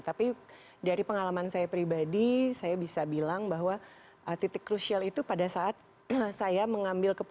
tapi dari pengalaman saya pribadi saya bisa bilang bahwa titik krusial itu pada saat saya mengambil keputusan